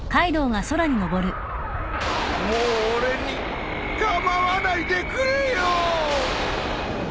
もう俺に構わないでくれよぉ。